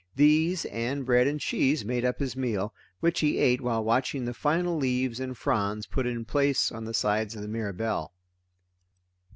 These and bread and cheese made up his meal, which he ate while watching the final leaves and fronds put in place on the sides of the Mirabelle.